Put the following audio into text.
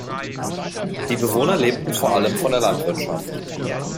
Die Bewohner lebten vor allem von der Landwirtschaft.